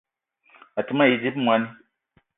A te ma yi dzip moni